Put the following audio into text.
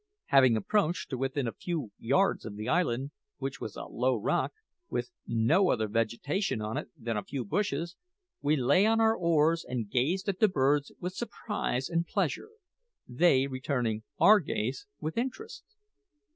Having approached to within a few yards of the island, which was a low rock, with no other vegetation on it than a few bushes, we lay on our oars and gazed at the birds with surprise and pleasure, they returning our gaze with interest.